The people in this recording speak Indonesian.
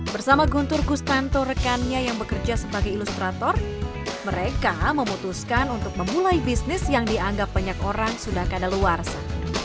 bersama guntur kustanto rekannya yang bekerja sebagai ilustrator mereka memutuskan untuk memulai bisnis yang dianggap banyak orang sudah kadaluarsa